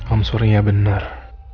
aum surinya bener